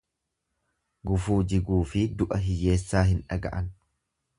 Gufuu jiguufi du'a hiyyeessaa hin dhaga'an.